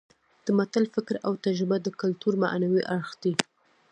د متل فکر او تجربه د کولتور معنوي اړخ دی